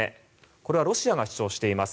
これはロシアが主張しています。